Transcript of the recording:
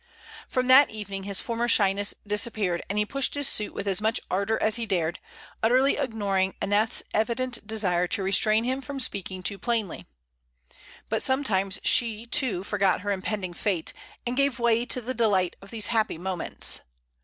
From that evening his former shyness disappeared, and he pushed his suit with as much ardor as he dared, utterly ignoring Aneth's evident desire to restrain him from speaking too plainly. But sometimes she, too, forgot her impending fate, and gave way to the delight of these happy moments.